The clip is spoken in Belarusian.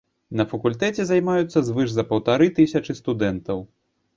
На факультэце займаюцца звыш за паўтары тысячы студэнтаў.